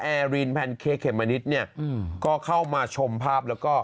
แอรีนแพนเคเขมมะนิดก็เข้ามาชมภาพแล้วก็